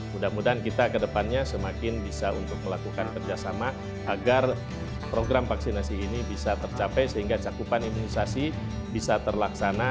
mudah mudahan kita ke depannya semakin bisa untuk melakukan kerjasama agar program vaksinasi ini bisa tercapai sehingga cakupan imunisasi bisa terlaksana